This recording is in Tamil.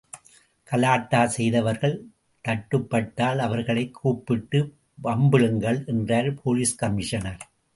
கலாட்டா செய்தவர்கள் தட்டுப்பட்டால் அவர்களைக் கூப்பிட்டு வம்பிழுங்கள் என்றார் போலீஸ் கமிஷனர்.